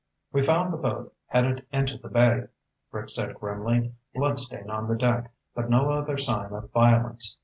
"We found the boat headed into the bay," Rick said grimly. "Bloodstain on the deck, but no other sign of violence.